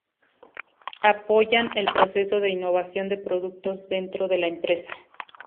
Apoyan el proceso de innovación de productos dentro de la empresa.